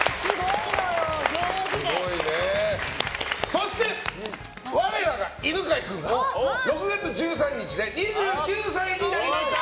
そして、我らが犬飼君が６月１３日で２９歳になりました！